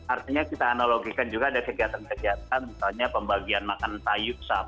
artinya kita analogikan juga ada kegiatan kegiatan misalnya pembagian makan tayuk